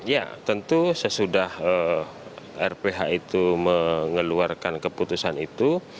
ya tentu sesudah rph itu mengeluarkan keputusan itu